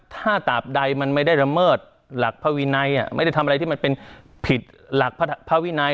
ถ้าตามใดมันไม่ได้ละเมิดหลักภาวินัยไม่ได้ทำอะไรที่มันเป็นผิดหลักภาวินัย